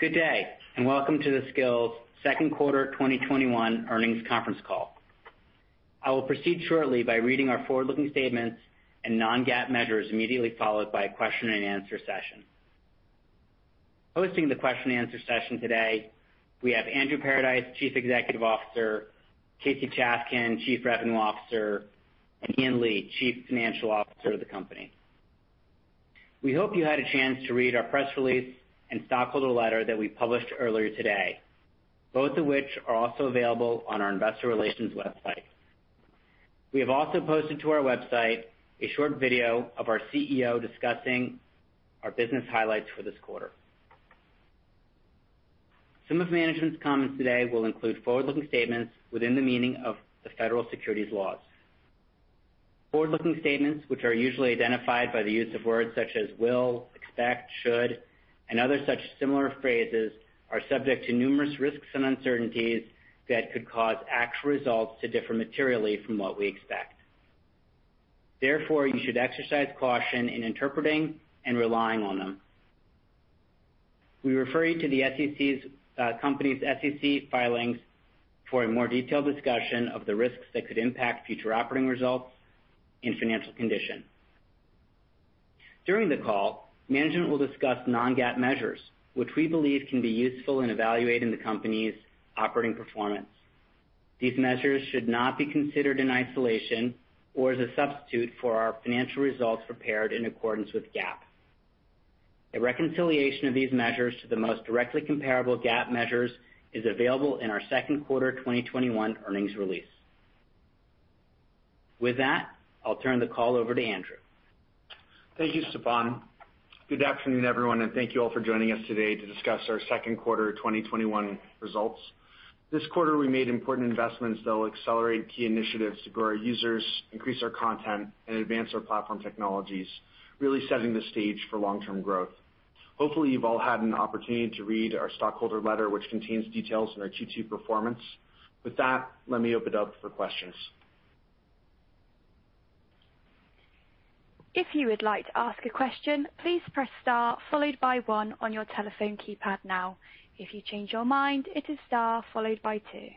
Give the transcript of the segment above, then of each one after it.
Good day, and welcome to the Skillz Second Quarter 2021 Earnings Conference Call. I will proceed shortly by reading our forward-looking statements and non-GAAP measures, immediately followed by a question-and-answer session. Hosting the question-and-answer session today, we have Andrew Paradise, Chief Executive Officer, Casey Chafkin, Chief Revenue Officer, and Ian Lee, Chief Financial Officer of the company. We hope you had a chance to read our press release and stockholder letter that we published earlier today, both of which are also available on our investor relations website. We have also posted to our website a short video of our CEO discussing our business highlights for this quarter. Some of management's comments today will include forward-looking statements within the meaning of the federal securities laws. Forward-looking statements, which are usually identified by the use of words such as will, expect, should, and other such similar phrases, are subject to numerous risks and uncertainties that could cause actual results to differ materially from what we expect. Therefore, you should exercise caution in interpreting and relying on them. We refer you to the company's SEC filings for a more detailed discussion of the risks that could impact future operating results and financial condition. During the call, management will discuss non-GAAP measures, which we believe can be useful in evaluating the company's operating performance. These measures should not be considered in isolation or as a substitute for our financial results prepared in accordance with GAAP. A reconciliation of these measures to the most directly comparable GAAP measures is available in our second quarter 2021 earnings release. With that, I'll turn the call over to Andrew. Thank you, Stefan. Good afternoon, everyone, and thank you all for joining us today to discuss our second quarter 2021 results. This quarter, we made important investments that will accelerate key initiatives to grow our users, increase our content, and advance our platform technologies, really setting the stage for long-term growth. Hopefully, you've all had an opportunity to read our stockholder letter, which contains details on our Q2 performance. With that, let me open it up for questions. If you would like to ask a question, please press star followed by one on your telephone keypad. Now, if you change your mind, it is star followed by two.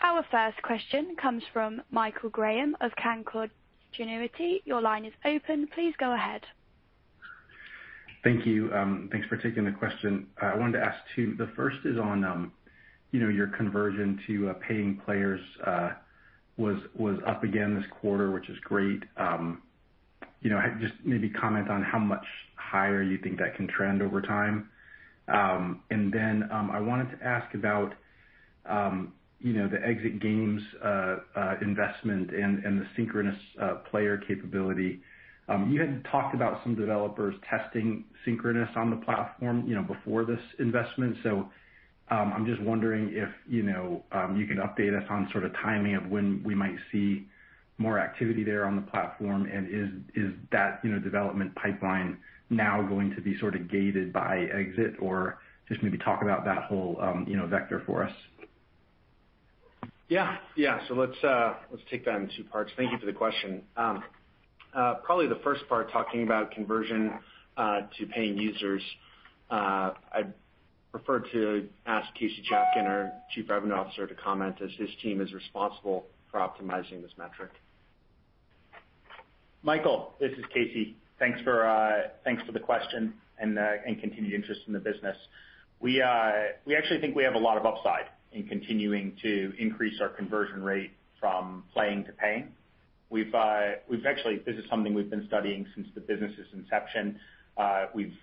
Our first question comes from Michael Graham of Canaccord Genuity. Your line is open, please go ahead. Thank you. Thanks for taking the question. I wanted to ask two. The first is on your conversion to paying players was up again this quarter, which is great. Just maybe comment on how much higher you think that can trend over time. I wanted to ask about the Exit Games investment and the synchronous player capability. You had talked about some developers testing synchronous on the platform before this investment. I'm just wondering if you could update us on sort of timing of when we might see more activity there on the platform, and is that development pipeline now going to be gated by Exit? Just maybe talk about that whole vector for us. Yeah. Let's take that in two parts. Thank you for the question. Probably the first part, talking about conversion to paying users. I'd prefer to ask Casey Chafkin, our Chief Revenue Officer, to comment, as his team is responsible for optimizing this metric. Michael, this is Casey. Thanks for the question and continued interest in the business. We actually think we have a lot of upside in continuing to increase our conversion rate from playing to paying. This is something we've been studying since the business' inception. We've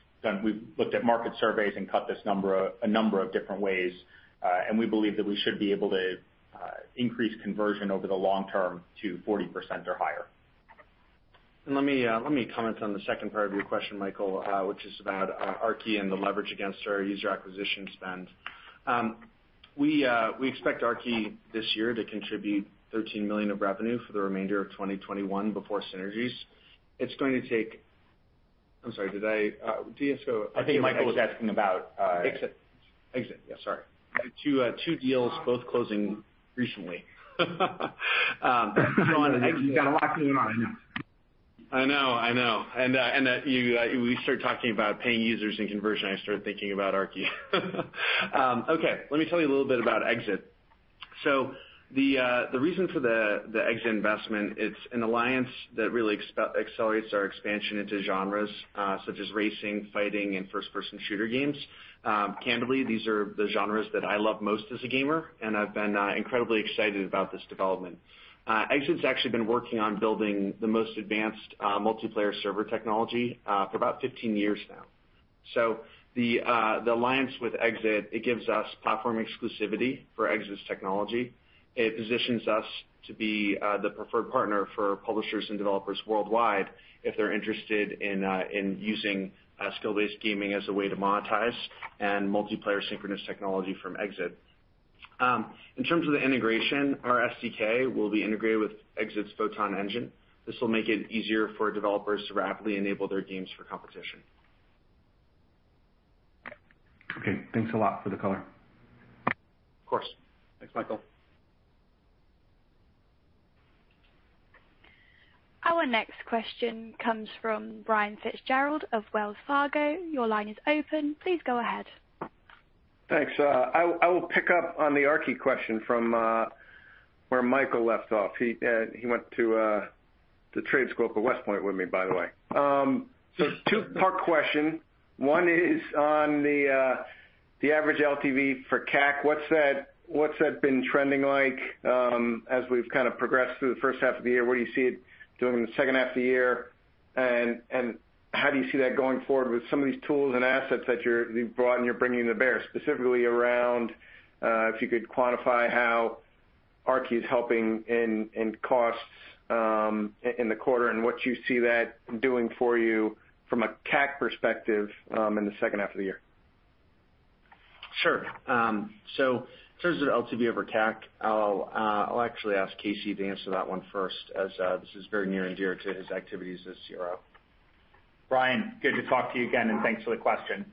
looked at market surveys and cut this a number of different ways. We believe that we should be able to increase conversion over the long term to 40% or higher. Let me comment on the second part of your question, Michael, which is about Aarki and the leverage against our user acquisition spend. We expect Aarki this year to contribute $13 million of revenue for the remainder of 2021 before synergies. I think Michael was asking about. Exit. Yeah, sorry. Two deals, both closing recently. You've got a lot going on, I know. I know. We start talking about paying users and conversion, I start thinking about Aarki. Okay, let me tell you a little bit about Exit. The reason for the Exit investment, it's an alliance that really accelerates our expansion into genres such as racing, fighting, and first-person shooter games. Candidly, these are the genres that I love most as a gamer, and I've been incredibly excited about this development. Exit's actually been working on building the most advanced multiplayer server technology for about 15 years now. The alliance with Exit, it gives us platform exclusivity for Exit's technology. It positions us to be the preferred partner for publishers and developers worldwide if they're interested in using skill-based gaming as a way to monetize and multiplayer synchronous technology from Exit. In terms of the integration, our SDK will be integrated with Exit's Photon Engine. This will make it easier for developers to rapidly enable their games for competition. Okay. Thanks a lot for the color. Of course. Thanks, Michael. Our next question comes from Brian Fitzgerald of Wells Fargo. Your line is open. Please go ahead. Thanks. I will pick up on the Aarki question from where Michael left off. He went to the Trade School for West Point with me, by the way. Two-part question. One is on the average LTV for CAC. What's that been trending like as we've progressed through the first half of the year? Where do you see it doing in the second half of the year, and how do you see that going forward with some of these tools and assets that you've brought and you're bringing to bear? Specifically around if you could quantify how Aarki is helping in costs in the quarter and what you see that doing for you from a CAC perspective in the second half of the year. Sure. In terms of LTV over CAC, I'll actually ask Casey to answer that one first as this is very near and dear to his activities this year. Brian, good to talk to you again, and thanks for the question.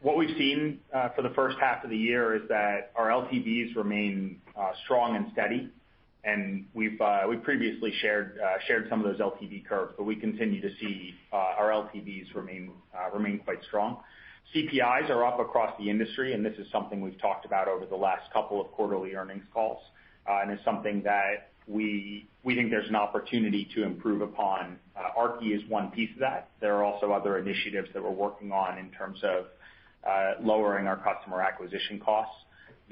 What we've seen for the first half of the year is that our LTVs remain strong and steady, and we've previously shared some of those LTV curves, but we continue to see our LTVs remain quite strong. CPIs are up across the industry, and this is something we've talked about over the last couple of quarterly earnings calls. It's something that we think there's an opportunity to improve upon. Aarki is one piece of that. There are also other initiatives that we're working on in terms of lowering our customer acquisition costs.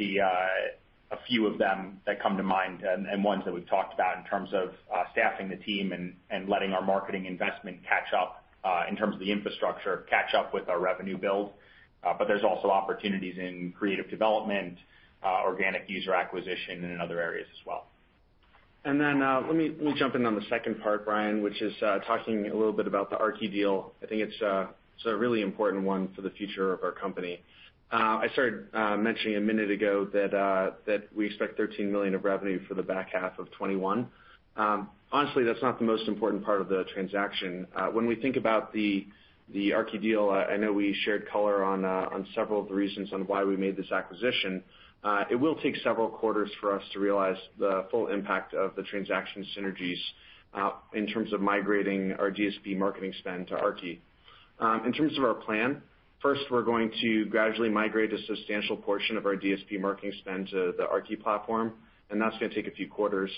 A few of them that come to mind and ones that we've talked about in terms of staffing the team and letting our marketing investment catch up in terms of the infrastructure, catch up with our revenue build. There's also opportunities in creative development, organic user acquisition, and in other areas as well. Let me jump in on the second part, Brian, which is talking a little bit about the Aarki deal. I think it's a really important one for the future of our company. I started mentioning a minute ago that we expect $13 million of revenue for the back half of 2021. Honestly, that's not the most important part of the transaction. When we think about the Aarki deal, I know we shared color on several of the reasons on why we made this acquisition. It will take several quarters for us to realize the full impact of the transaction synergies in terms of migrating our DSP marketing spend to Aarki. In terms of our plan, first, we're going to gradually migrate a substantial portion of our DSP marketing spend to the Aarki platform, and that's going to take a few quarters.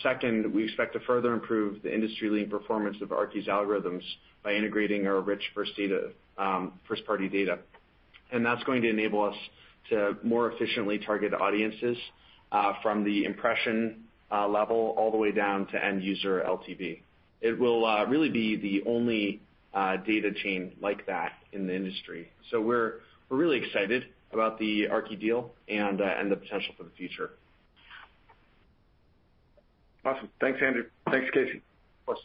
Second, we expect to further improve the industry-leading performance of Aarki's algorithms by integrating our rich first-party data. That's going to enable us to more efficiently target audiences from the impression level all the way down to end user LTV. It will really be the only data chain like that in the industry. We're really excited about the Aarki deal and the potential for the future. Awesome. Thanks, Andrew. Thanks, Casey. Of course.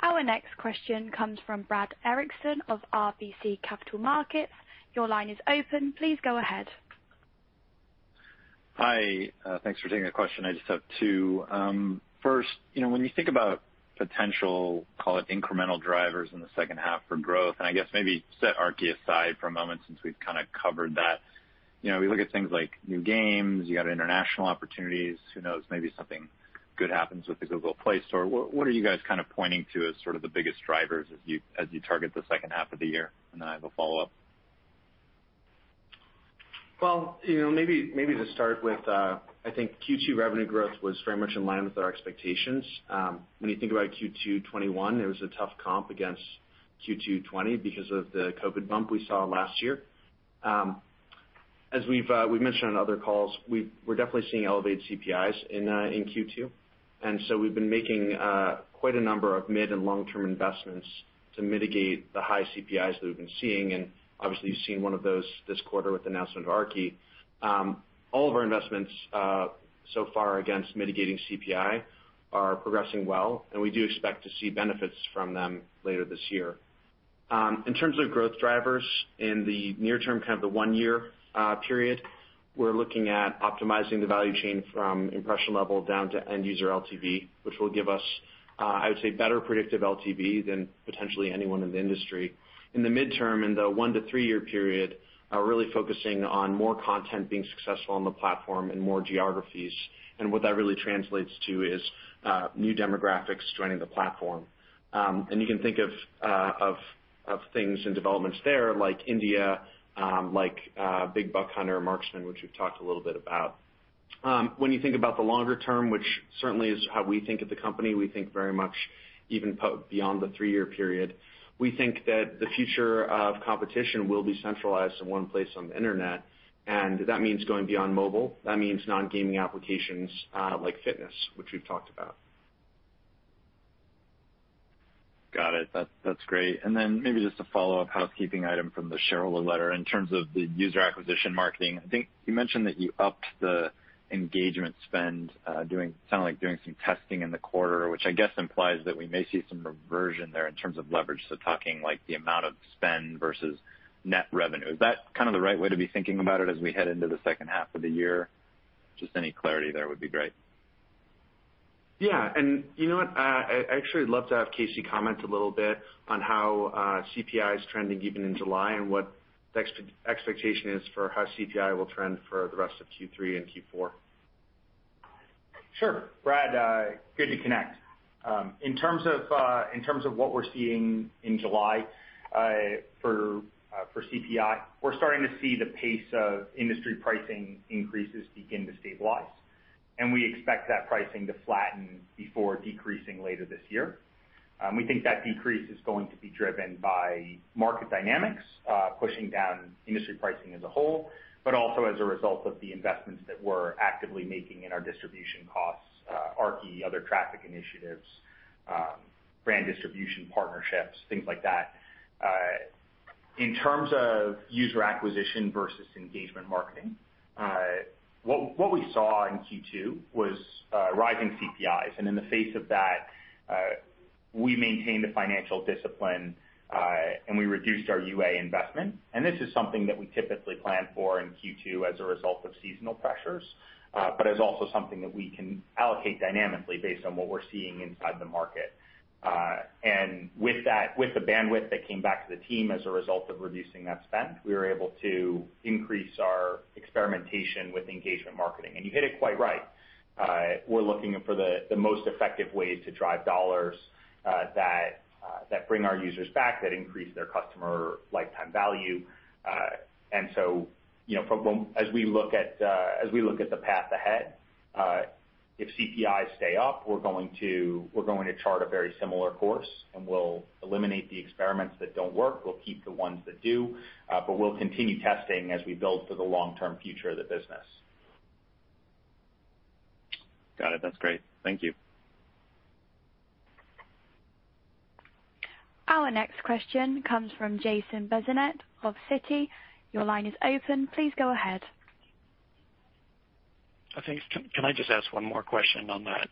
Our next question comes from Brad Erickson of RBC Capital Markets. Your line is open. Please go ahead. Hi. Thanks for taking the question. I just have two. First, when you think about potential, call it incremental drivers in the second half for growth, I guess maybe set Aarki aside for a moment since we've kind of covered that. We look at things like new games. You got international opportunities. Who knows, maybe something good happens with the Google Play Store. What are you guys pointing to as sort of the biggest drivers as you target the second half of the year? Then I have a follow-up. Well, maybe to start with, I think Q2 revenue growth was very much in line with our expectations. When you think about Q2 2021, it was a tough comp against Q2 2020 because of the COVID bump we saw last year. As we've mentioned on other calls, we're definitely seeing elevated CPIs in Q2, and so we've been making quite a number of mid- and long-term investments to mitigate the high CPIs that we've been seeing, and obviously you've seen one of those this quarter with the announcement of Aarki. All of our investments so far against mitigating CPI are progressing well, and we do expect to see benefits from them later this year. In terms of growth drivers in the near term, kind of the one-year period, we're looking at optimizing the value chain from impression level down to end user LTV, which will give us, I would say, better predictive LTV than potentially anyone in the industry. In the midterm, in the one to three-year period, really focusing on more content being successful on the platform and more geographies. What that really translates to is new demographics joining the platform. You can think of things and developments there like India, like Big Buck Hunter: Marksman, which we've talked a little bit about. When you think about the longer term, which certainly is how we think of the company, we think very much even beyond the three-year period. We think that the future of competition will be centralized in one place on the internet, and that means going beyond mobile. That means non-gaming applications like fitness, which we've talked about. Got it. That's great. Maybe just a follow-up housekeeping item from the shareholder letter. In terms of the user acquisition marketing, I think you mentioned that you upped the engagement spend, sounded like doing some testing in the quarter, which I guess implies that we may see some reversion there in terms of leverage. Talking like the amount of spend versus net revenue. Is that kind of the right way to be thinking about it as we head into the second half of the year? Just any clarity there would be great. Yeah. You know what? I actually would love to have Casey comment a little bit on how CPI is trending even in July, and what the expectation is for how CPI will trend for the rest of Q3 and Q4. Sure. Brad, good to connect. In terms of what we're seeing in July for CPI, we're starting to see the pace of industry pricing increases begin to stabilize. We expect that pricing to flatten before decreasing later this year. We think that decrease is going to be driven by market dynamics, pushing down industry pricing as a whole, but also as a result of the investments that we're actively making in our distribution costs, Aarki, other traffic initiatives, brand distribution partnerships, things like that. In terms of user acquisition versus engagement marketing, what we saw in Q2 was rising CPIs, and in the face of that, we maintained a financial discipline, and we reduced our UA investment. This is something that we typically plan for in Q2 as a result of seasonal pressures. It's also something that we can allocate dynamically based on what we're seeing inside the market. With the bandwidth that came back to the team as a result of reducing that spend, we were able to increase our experimentation with engagement marketing. You hit it quite right. We're looking for the most effective ways to drive dollars that bring our users back, that increase their customer lifetime value. As we look at the path ahead, if CPIs stay up, we're going to chart a very similar course, and we'll eliminate the experiments that don't work. We'll keep the ones that do, but we'll continue testing as we build for the long-term future of the business. Got it. That's great. Thank you. Our next question comes from Jason Bazinet of Citi. Your line is open. Please go ahead. Thanks. Can I just ask one more question on that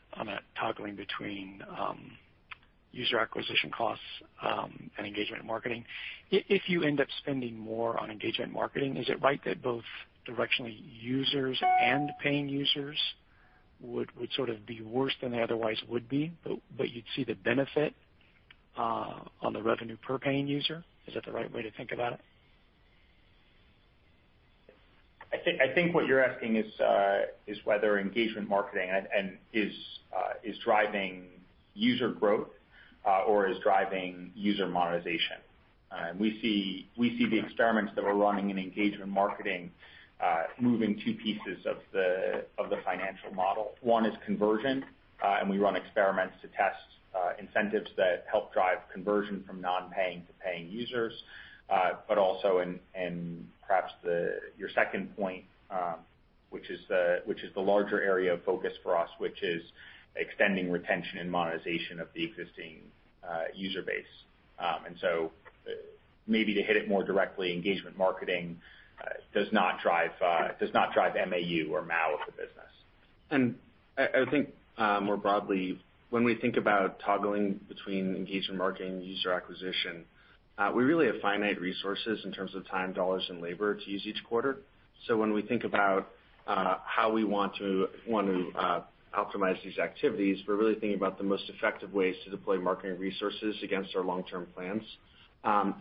toggling between user acquisition costs and engagement marketing? If you end up spending more on engagement marketing, is it right that both directionally users and paying users would sort of be worse than they otherwise would be, but you'd see the benefit on the revenue per paying user? Is that the right way to think about it? I think what you're asking is whether engagement marketing is driving user growth or is driving user monetization. We see the experiments that we're running in engagement marketing moving two pieces of the financial model. One is conversion, and we run experiments to test incentives that help drive conversion from non-paying to paying users. Also in perhaps your second point, which is the larger area of focus for us, which is extending retention and monetization of the existing user base. Maybe to hit it more directly, engagement marketing does not drive MAU or MAU of the business. I think more broadly, when we think about toggling between engagement marketing and user acquisition, we really have finite resources in terms of time, dollars, and labor to use each quarter. When we think about how we want to optimize these activities, we're really thinking about the most effective ways to deploy marketing resources against our long-term plans.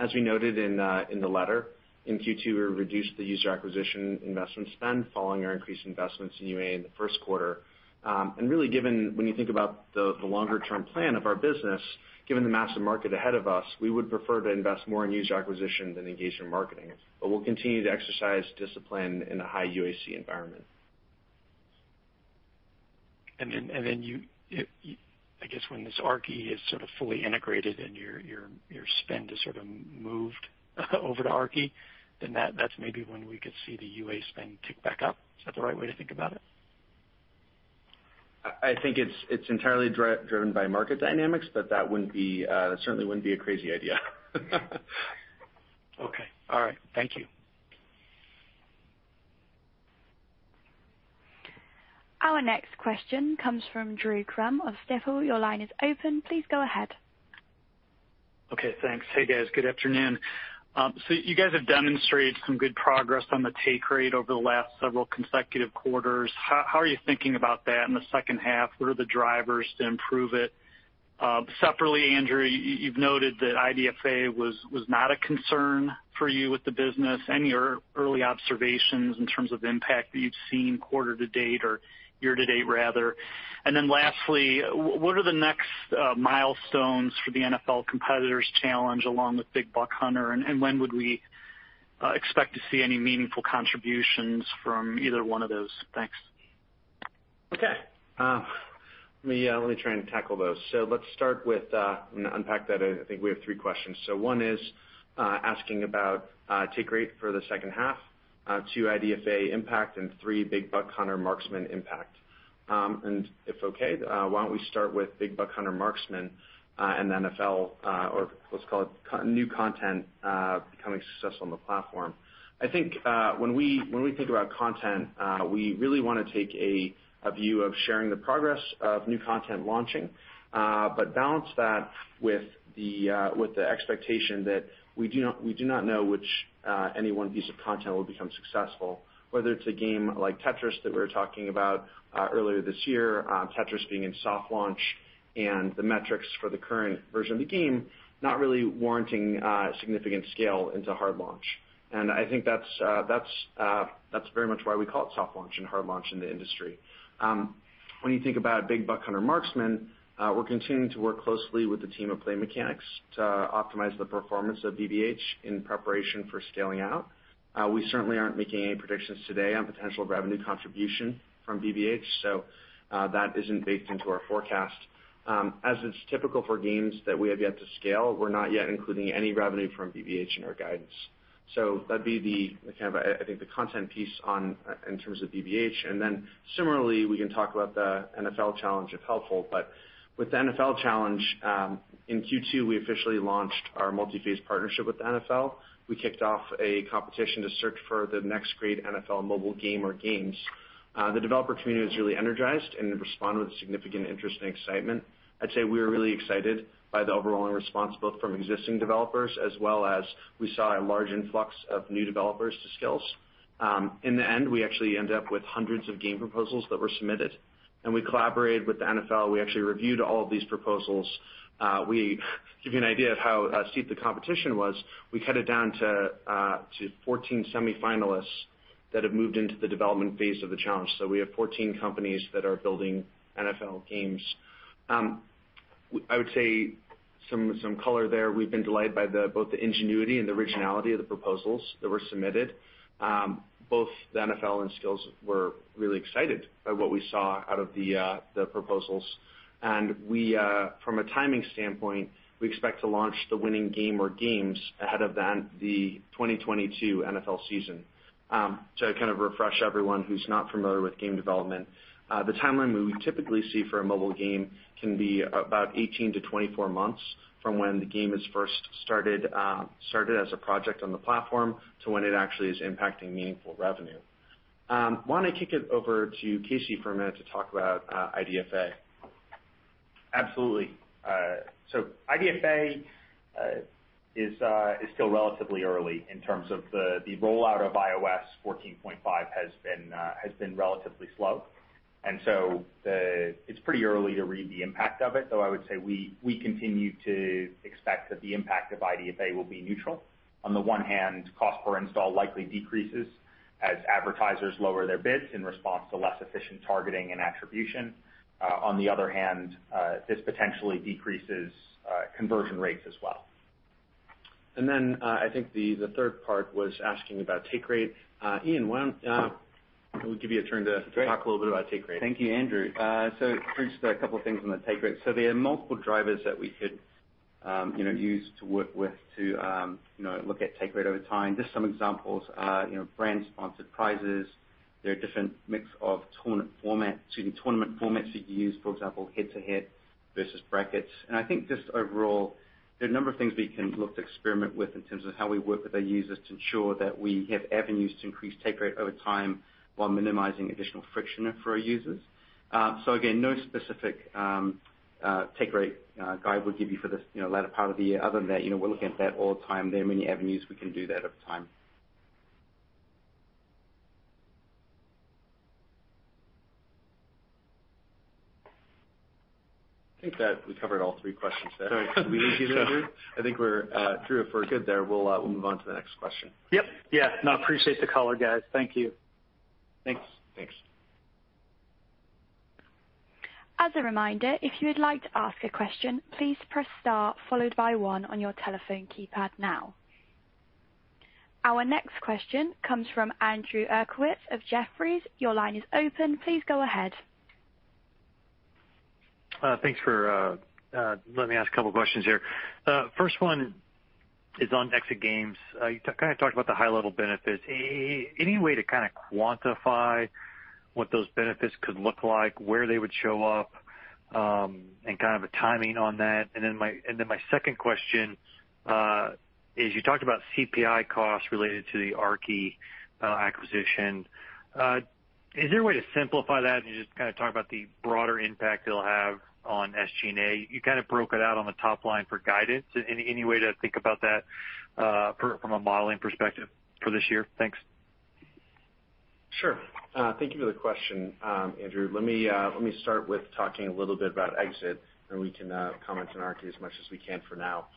As we noted in the letter, in Q2, we reduced the user acquisition investment spend following our increased investments in UA in the first quarter. Really given when you think about the longer-term plan of our business, given the massive market ahead of us, we would prefer to invest more in user acquisition than engagement marketing. We'll continue to exercise discipline in a high UAC environment. You, I guess when this Aarki is sort of fully integrated and your spend is sort of moved over to Aarki, then that's maybe when we could see the UA spend tick back up. Is that the right way to think about it? I think it's entirely driven by market dynamics, but that certainly wouldn't be a crazy idea. Okay. All right. Thank you. Our next question comes from Drew Crum of Stifel. Your line is open. Please go ahead. Okay, thanks. Hey, guys. Good afternoon. You guys have demonstrated some good progress on the take rate over the last several consecutive quarters. How are you thinking about that in the second half? What are the drivers to improve it? Separately, Andrew, you've noted that IDFA was not a concern for you with the business. Any early observations in terms of impact that you've seen quarter to date or year to date, rather? Lastly, what are the next milestones for the NFL competitors challenge along with Big Buck Hunter, and when would we expect to see any meaningful contributions from either one of those? Thanks. Okay. Let me try and tackle those. I'm going to unpack that. I think we have three questions. One is asking about take rate for the second half. Two, IDFA impact, and three, Big Buck Hunter: Marksman impact. If okay, why don't we start with Big Buck Hunter: Marksman and NFL, or let's call it new content becoming successful on the platform. I think, when we think about content, we really want to take a view of sharing the progress of new content launching, but balance that with the expectation that we do not know which any one piece of content will become successful, whether it's a game like Tetris that we were talking about earlier this year, Tetris being in soft launch, and the metrics for the current version of the game not really warranting a significant scale into hard launch. I think that's very much why we call it soft launch and hard launch in the industry. When you think about Big Buck Hunter: Marksman, we're continuing to work closely with the team at Play Mechanix to optimize the performance of BBH in preparation for scaling out. We certainly aren't making any predictions today on potential revenue contribution from BBH, so that isn't baked into our forecast. As is typical for games that we have yet to scale, we're not yet including any revenue from BBH in our guidance. That'd be the content piece in terms of BBH. Similarly, we can talk about the NFL Challenge, if helpful. With the NFL Challenge, in Q2, we officially launched our multi-phase partnership with the NFL. We kicked off a competition to search for the next great NFL mobile game or games. The developer community was really energized and responded with significant interest and excitement. I'd say we were really excited by the overwhelming response, both from existing developers as well as we saw a large influx of new developers to Skillz. In the end, we actually ended up with hundreds of game proposals that were submitted. We collaborated with the NFL. We actually reviewed all of these proposals. To give you an idea of how steep the competition was, we cut it down to 14 semifinalists that have moved into the development phase of the challenge. We have 14 companies that are building NFL games. I would say some color there, we've been delighted by both the ingenuity and the originality of the proposals that were submitted. Both the NFL and Skillz were really excited by what we saw out of the proposals. From a timing standpoint, we expect to launch the winning game or games ahead of the 2022 NFL season. To refresh everyone who's not familiar with game development, the timeline we would typically see for a mobile game can be about 18 to 24 months from when the game is first started as a project on the platform to when it actually is impacting meaningful revenue. Why don't I kick it over to Casey for a minute to talk about IDFA? Absolutely. IDFA is still relatively early in terms of the rollout of iOS 14.5 has been relatively slow. It's pretty early to read the impact of it, though I would say we continue to expect that the impact of IDFA will be neutral. On the one hand, cost per install likely decreases as advertisers lower their bids in response to less efficient targeting and attribution. On the other hand, this potentially decreases conversion rates as well. I think the third part was asking about take rate. Ian, why don't we give you a turn to talk a little bit about take rate? Thank you, Andrew. Just two things on the take rate. There are multiple drivers that we could use to work with to look at take rate over time. Just some examples are brand sponsored prizes. There are different mix of tournament formats that you use, for example, head-to-head versus brackets. I think just overall, there are a number of things we can look to experiment with in terms of how we work with our users to ensure that we have avenues to increase take rate over time while minimizing additional friction for our users. Again, no specific take rate guide we'll give you for this latter part of the year. Other than that, we're looking at that all the time. There are many avenues we can do that over time. I think that we covered all three questions there. All right. Was that easy, Drew? I think we're through for good there. We'll move on to the next question. Yep. Yeah. Appreciate the color, guys. Thank you. Thanks. Thanks. As a reminder, if you would like to ask a question, please press star followed by one on your telephone keypad now. Our next question comes from Andrew Uerkwitz of Jefferies. Your line is open. Please go ahead. Thanks for letting me ask a couple of questions here. First one is on Exit Games. You talked about the high-level benefits. Any way to quantify what those benefits could look like, where they would show up, and a timing on that? My second question is you talked about CPI costs related to the Aarki acquisition. Is there a way to simplify that and just talk about the broader impact it'll have on SG&A? You broke it out on the top line for guidance. Any way to think about that from a modeling perspective for this year? Thanks. Sure. Thank you for the question, Andrew. Let me start with talking a little bit about Exit, and we can comment on Aarki as much as we can for now.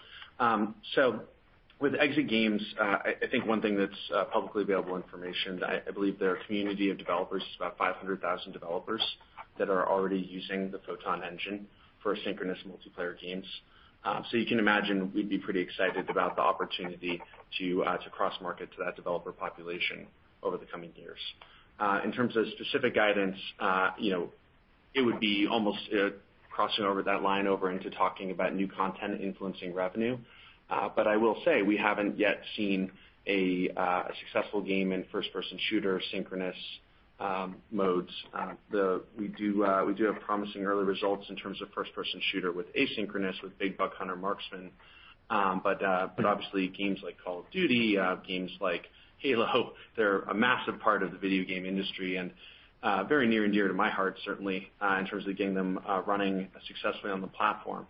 With Exit Games, I think one thing that's publicly available information, I believe their community of developers is about 500,000 developers that are already using the Photon Engine for synchronous multiplayer games. You can imagine we'd be pretty excited about the opportunity to cross-market to that developer population over the coming years. In terms of specific guidance. It would be almost crossing over that line over into talking about new content influencing revenue. I will say, we haven't yet seen a successful game in first-person shooter synchronous modes. We do have promising early results in terms of first-person shooter with asynchronous with Big Buck Hunter: Marksman. Obviously games like Call of Duty, games like Halo, they're a massive part of the video game industry and very near and dear to my heart, certainly, in terms of getting them running successfully on the platform.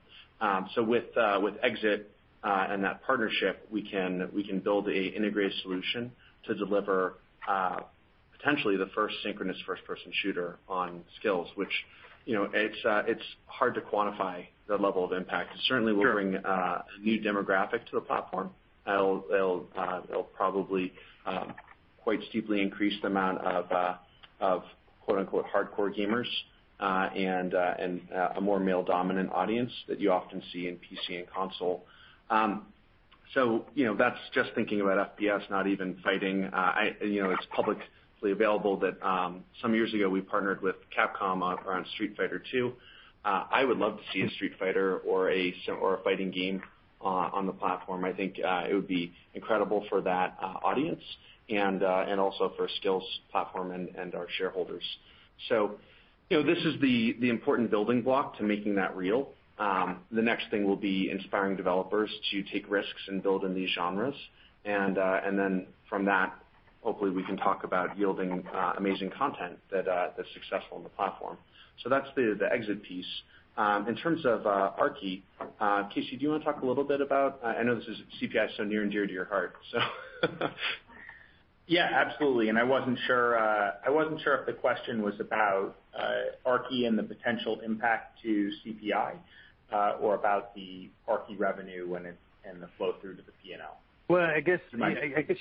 With Exit and that partnership, we can build an integrated solution to deliver potentially the first synchronous first-person shooter on Skillz, which it's hard to quantify the level of impact. Sure. It certainly will bring a new demographic to the platform. It'll probably quite steeply increase the amount of "hardcore" gamers, and a more male-dominant audience that you often see in PC and console. That's just thinking about FPS, not even fighting. It's publicly available that some years ago, we partnered with Capcom around Street Fighter II. I would love to see a Street Fighter or a fighting game on the platform. I think it would be incredible for that audience and also for Skillz platform and our shareholders. This is the important building block to making that real. The next thing will be inspiring developers to take risks and build in these genres. From that, hopefully we can talk about yielding amazing content that's successful on the platform. That's the Exit piece. In terms of Aarki, Casey, do you want to talk a little bit about? I know this is CPI, so near and dear to your heart. Yeah, absolutely. I wasn't sure if the question was about Aarki and the potential impact to CPI, or about the Aarki revenue and the flow through to the P&L. Well, I guess you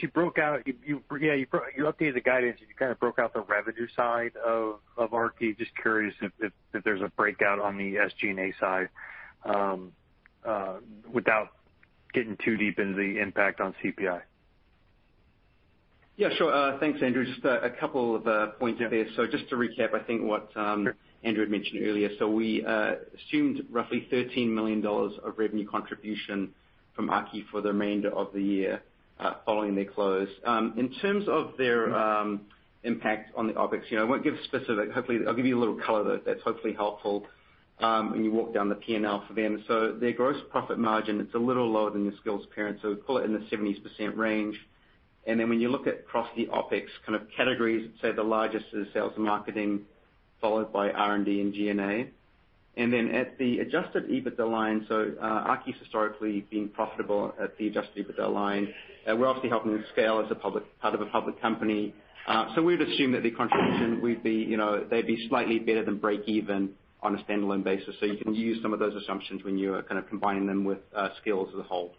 updated the guidance, and you kind of broke out the revenue side of Aarki. Just curious if there's a breakout on the SG&A side without getting too deep into the impact on CPI. Yeah, sure. Thanks, Andrew. Just a couple of points there. Just to recap, I think what Andrew had mentioned earlier. We assumed roughly $13 million of revenue contribution from Aarki for the remainder of the year following their close. In terms of their impact on the OpEx, I won't give specific. Hopefully, I'll give you a little color that's hopefully helpful when you walk down the P&L for them. Their gross profit margin, it's a little lower than the Skillz parent, we put it in the 70% range. When you look at across the OpEx kind of categories, say the largest is sales and marketing, followed by R&D and G&A. At the adjusted EBITDA line, Aarki's historically been profitable at the adjusted EBITDA line. We're obviously helping them scale as a part of a public company. We'd assume that the contribution they'd be slightly better than break even on a standalone basis. You can use some of those assumptions when you are kind of combining them with Skillz as a whole.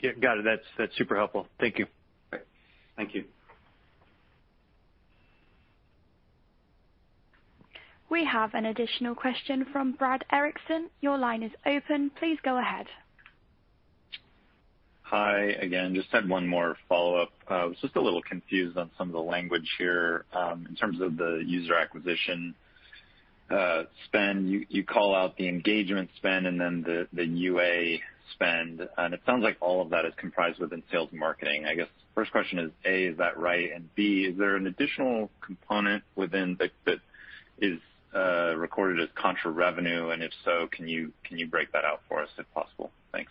Yeah, got it. That's super helpful. Thank you. Great. Thank you. We have an additional question from Brad Erickson. Your line is open. Please go ahead. Hi again. Just had one more follow-up. I was just a little confused on some of the language here in terms of the user acquisition spend. You call out the engagement spend and then the UA spend, and it sounds like all of that is comprised within sales and marketing. I guess first question is, A, is that right? B, is there an additional component within that that is recorded as contra revenue? If so, can you break that out for us if possible? Thanks.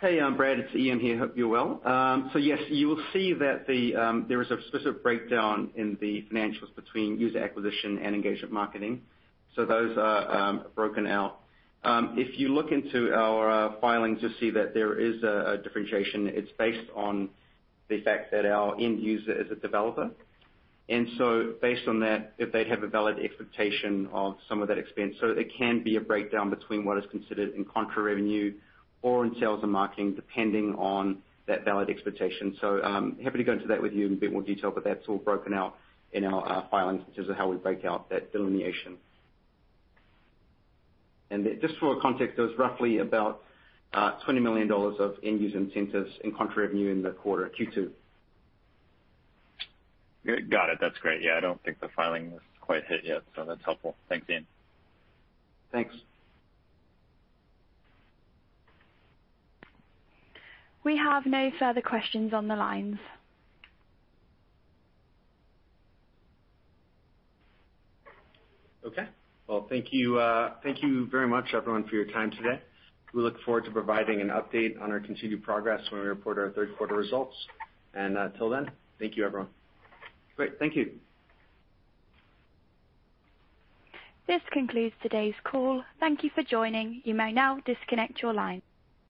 Hey, Brad, it's Ian here. Hope you're well. Yes, you will see that there is a specific breakdown in the financials between user acquisition and engagement marketing. Those are broken out. If you look into our filings, you'll see that there is a differentiation. It's based on the fact that our end user is a developer. Based on that, if they have a valid expectation of some of that expense, there can be a breakdown between what is considered in contra revenue or in sales and marketing, depending on that valid expectation. Happy to go into that with you in a bit more detail, but that's all broken out in our filings in terms of how we break out that delineation. Just for context, there was roughly about $20 million of end-user incentives in contra revenue in the quarter, Q2. Got it. That's great. Yeah, I don't think the filing was quite hit yet, so that's helpful. Thanks, Ian. Thanks. We have no further questions on the lines. Okay. Well, thank you very much, everyone, for your time today. We look forward to providing an update on our continued progress when we report our third quarter results. Until then, thank you, everyone. Great. Thank you. This concludes today's call. Thank you for joining. You may now disconnect your line.